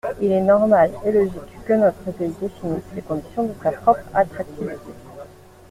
Il est normal et logique que notre pays définisse les conditions de sa propre attractivité.